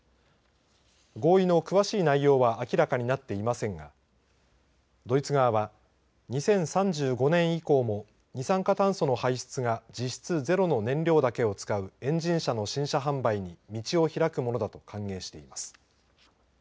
合意の詳しい内容は明らかになっていませんがドイツ側は、２０３５年以降も二酸化炭素の排出が実質ゼロの燃料だけを使うエンジン車の新車販売に道を開くものだと歓迎しています。